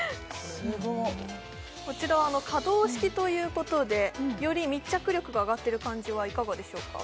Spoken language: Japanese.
こちらは可動式ということでより密着力が上がってる感じはいかがでしょうか？